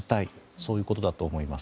そういうことだと思います。